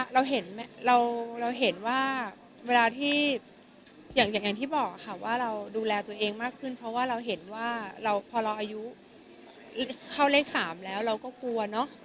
เราเห็นเราเห็นว่าเวลาที่อย่างที่บอกค่ะว่าเราดูแลตัวเองมากขึ้นเพราะว่าเราเห็นว่าเราพอเราอายุเข้าเลข๓แล้วเราก็กลัวเนอะ